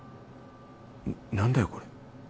何だよこれ？